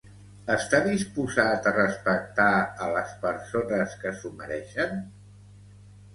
Està disposat a respectar a les persones que s'ho mereixen?